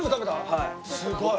はい。